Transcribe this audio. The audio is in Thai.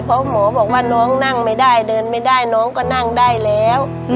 เพราะหมอบอกว่าน้องนั่งไม่ได้เดินไม่ได้น้องก็นั่งได้แล้ว